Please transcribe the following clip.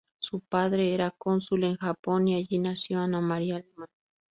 Su padre era cónsul en Japón y allí nació Ana María Alemán.